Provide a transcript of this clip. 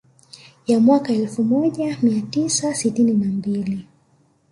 Ya mwaka elfu moja mia tisa sitini na mbili